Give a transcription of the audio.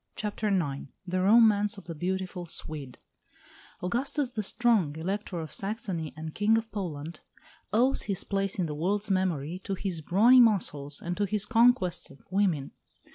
CHAPTER IX THE ROMANCE OF THE BEAUTIFUL SWEDE Augustus the Strong, Elector of Saxony and King of Poland, owes his place in the world's memory to his brawny muscles and to his conquest of women.